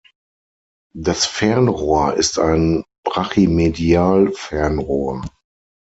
Das Fernrohr ist ein Brachymedial-Fernrohr.